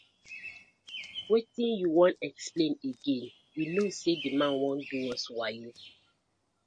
Wetin yu won explain again, we kno sey the man wan do us wayo.